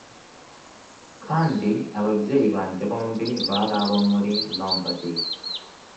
Kandi ababyeyi banjye bombi bari abo muri Lombardy